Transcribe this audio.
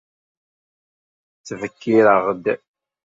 Ttbekkiṛeɣ-d.